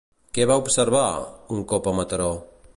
Què va observar, un cop a Mataró?